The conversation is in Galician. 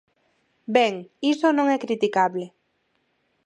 Ben, iso non é criticable.